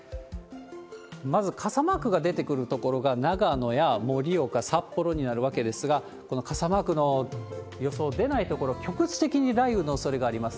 まず、傘マークが出てくる所が、長野や盛岡、札幌になるわけですが、この傘マークの予想でない所、局地的に雷雨のおそれがあります。